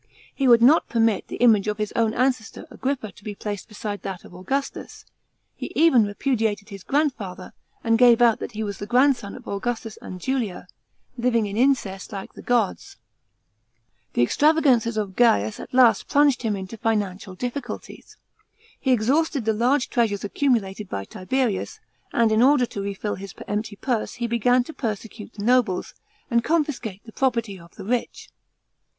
He would not permit the image of his own ancestor Agrippa to be placed beside that of Augustus ; he even repudiated his grandfather, and gave out that he was the grandson of Augustus and Julia, living in incest like the gods. § 9. The extravagances of Gaius at last plunged him into financial difficulties. He exhausted the large treasures accumulated by Tiberius, and in order to refill his empty purse, he began to persecute the nobles, and confiscate the property of the rich.